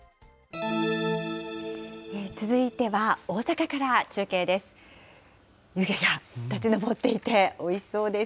続いては大阪から中継です。